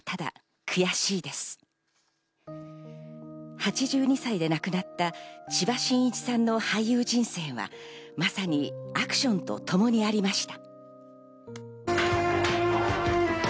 ８２歳で亡くなった千葉真一さんの俳優人生はまさにアクションと共にありました。